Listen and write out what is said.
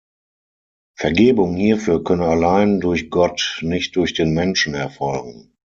Vergebung hierfür könne allein durch Gott, nicht durch den Menschen erfolgen.